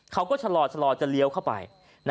เขาก็ชะลอจะเลี้ยวเข้าไป